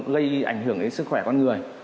gây ảnh hưởng đến sức khỏe con người